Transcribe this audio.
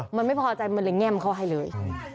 มันไม่พอใจมันเลยแง่มเขาให้เลย